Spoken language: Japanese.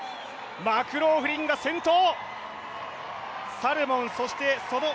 マクローフリンが先頭。